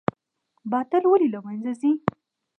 باطل ولې له منځه ځي؟